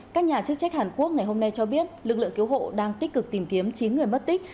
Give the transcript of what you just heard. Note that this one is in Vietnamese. các nhà chức trách hàn quốc ngày hôm nay cho biết lực lượng cứu hộ đang tích cực tìm kiếm chín người mất tích